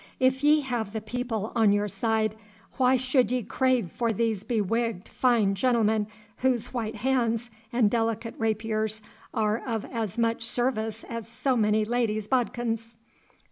If ye have the people on your side, why should ye crave for these bewigged fine gentlemen, whose white hands and delicate rapiers are of as much service as so many ladies' bodkins?